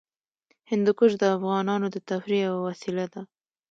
هندوکش د افغانانو د تفریح یوه وسیله ده.